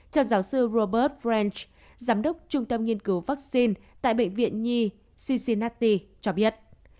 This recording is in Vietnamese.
theo giáo sư robert french giám đốc trung tâm nghiên cứu vắc xin tại bệnh viện nhi cincinnati cho biết